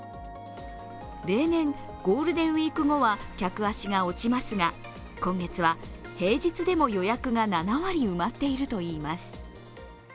例年、ゴールデンウイーク後は客足が落ちますが、今月は平日でも予約が７割埋まっているといいます。